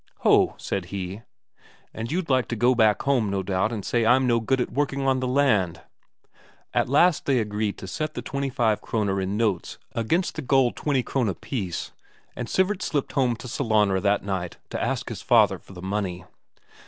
"Ho," said he, "and you'd like to go back home, no doubt, and say I'm no good at working on the land!" At last they agreed to set twenty five Kroner in notes against the gold twenty Krone piece, and Sivert slipped home to Sellanraa that night to ask his father for the money.